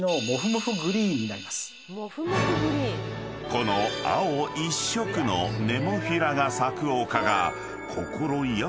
［この青一色のネモフィラが咲く丘が］